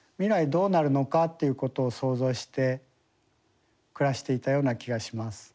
どうなるのかということを想像して暮らしていたような気がします。